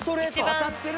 当たってる。